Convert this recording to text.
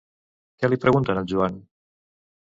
Què li pregunten al Joan?